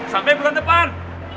sampai bulan depan